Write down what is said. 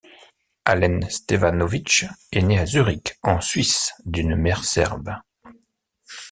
Alen Stevanović est né à Zurich en Suisse d'une mère serbe.